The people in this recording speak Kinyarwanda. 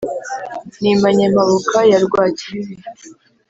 Nimanye Mpabuka ya Rwakibibi